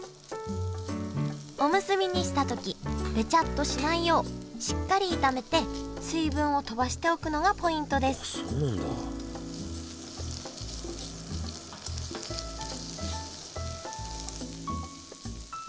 おむすびにした時ベチャッとしないようしっかり炒めて水分をとばしておくのがポイントですあっそうなんだ。